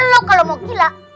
lo kalau mau gila